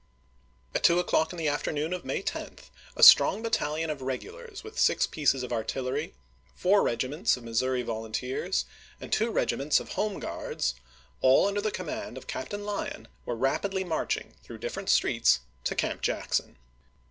At two o'clock in the afternoon of May 10 a isei. strong battalion of regulars with six pieces of artil lery, four regiments of Missouri volunteers, and two regiments of Home Gruards, all under command of Captain Lyon, were rapidly marching through dif ferent streets to Camp Jackson.